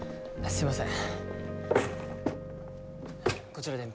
すいません。